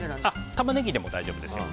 タマネギでも大丈夫です。